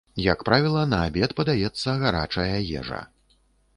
Як правіла на абед падаецца гарачая ежа.